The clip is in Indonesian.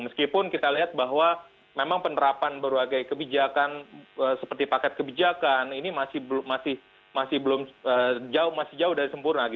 meskipun kita lihat bahwa memang penerapan berbagai kebijakan seperti paket kebijakan ini masih belum masih jauh dari sempurna